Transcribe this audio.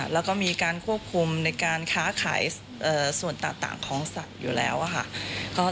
แล้วก็มีการควบคุมในการค้าขายส่วนต่างของสัตว์อยู่แล้วค่ะ